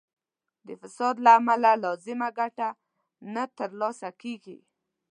د فساد له امله لازمه ګټه نه تر لاسه کیږي.